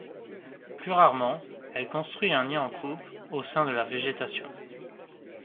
Plus rarement, elle construit un nid en coupe au sein de la végétation.